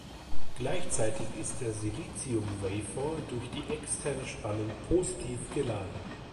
Gleichzeitig ist der Silizium-Wafer durch die externe Spannung positiv geladen.